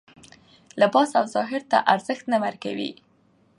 لباس او ظاهر ته ارزښت نه ورکوي